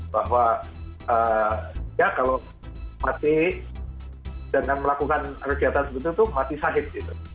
bahwa ya kalau mati dengan melakukan kegiatan sebetulnya itu mati sahib gitu